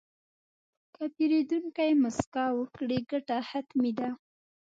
که پیرودونکی موسکا وکړي، ګټه حتمي ده.